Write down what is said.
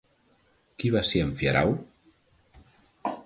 Qui va ser Amfiarau?